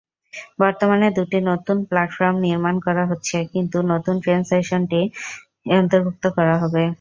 বর্তমানে দুটি নতুন প্ল্যাটফর্ম নির্মাণ করা হচ্ছে, কিছু নতুন ট্রেন স্টেশনটি অন্তর্ভুক্ত করা হবে।